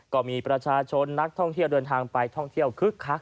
ก็มีประชาชนนักท่องเที่ยวเดินทางไปท่องเที่ยวคึกคัก